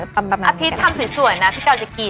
อภิษพรรดิทำสวยนะพี่กอลจะกิน